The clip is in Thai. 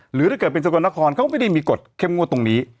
หรือถ้าเกิดเป็นสกลนครเขาก็ไม่ได้มีกฎเข้มงวดตรงนี้